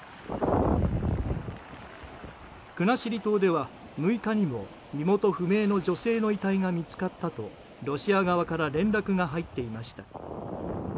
国後島では６日にも身元不明の女性の遺体が見つかったとロシア側から連絡が入っていました。